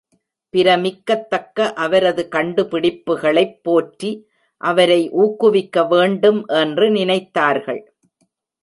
பிரமிக்கத்தக்க அவரது கண்டுபிடிப்புகளைப் போற்றி, அவரை ஊக்குவிக்க வேண்டும் என்று நினைத்தார்கள்.